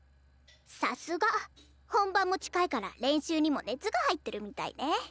さすが本番も近いから練習にも熱が入ってるみたいね。